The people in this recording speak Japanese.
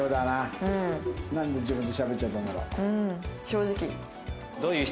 なんで自分でしゃべっちゃったんだろう。